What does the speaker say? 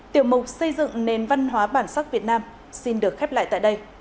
tiểu mục xây dựng nền văn hóa bản sắc việt nam xin được khép lại tại đây